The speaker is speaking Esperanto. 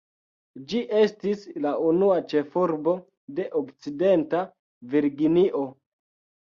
Ĝi estis la unua ĉefurbo de Okcidenta Virginio.